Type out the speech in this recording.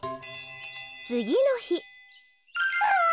つぎのひわあ！